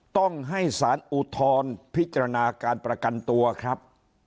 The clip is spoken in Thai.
ต้องให้สารอุทธรณ์พิจารณาการประกันตัวครับ